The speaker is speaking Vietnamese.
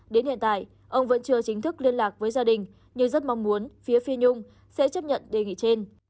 đến hiện tại ông vẫn chưa chính thức liên lạc với gia đình nhưng rất mong muốn phía phi nhung sẽ chấp nhận đề nghị trên